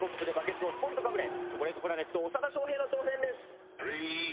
チョコレートプラネット・長田庄平の挑戦です。